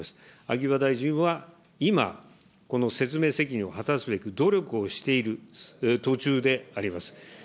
秋葉大臣は今、この説明責任を果たすべく努力をしている途中であります。